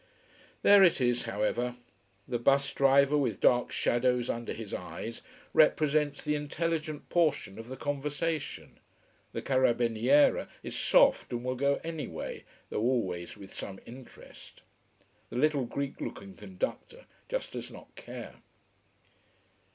There it is, however. The bus driver, with dark shadows under his eyes, represents the intelligent portion of the conversation. The carabiniere is soft and will go any way, though always with some interest. The little Greek looking conductor just does not care.